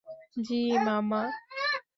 জ্বী, মামা।